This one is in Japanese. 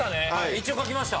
一応書きました。